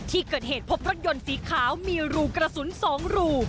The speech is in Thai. ที่เกิดเหตุพบรถยนต์สีขาวมีรูกระสุน๒รู